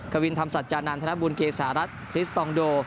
กวินธรรมสัจจานันธนบุญเกษารัฐคริสตองโด